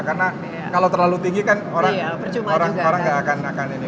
karena kalau terlalu tinggi kan orang gak akan ini